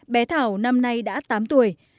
bé thảo năm nay đã tám tuổi